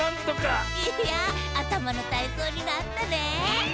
いやあたまのたいそうになったね！